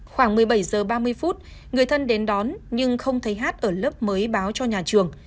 khoảng một mươi bảy h ba mươi phút người thân đến đón nhưng không thấy hát ở lớp mới báo cho nhà trường